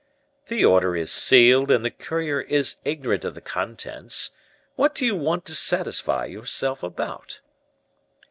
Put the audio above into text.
"The order is sealed, and the courier is ignorant of the contents. What do you want to satisfy yourself about?"